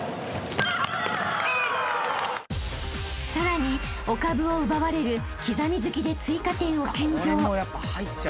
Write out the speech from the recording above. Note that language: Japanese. ［さらにお株を奪われる刻み突きで追加点を献上］